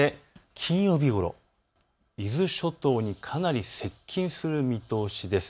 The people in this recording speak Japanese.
金曜日ごろ伊豆諸島にかなり接近する見通しです。